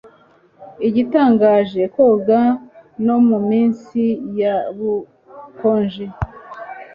Igitangaje koga no muminsi yubukonje